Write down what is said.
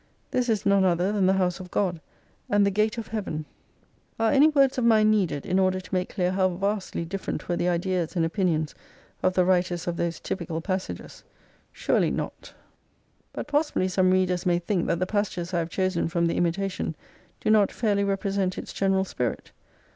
This is none other than the House of God, and the gate of Heaven." Are any words of mine needed in order to make clear how vastly different were the ideas and opinions of the writers of those typical passages ? Surely not. But XX i possibly some readers may think that the passages 1 have chosen from the " Imitation" do not fairly represent its general spirit.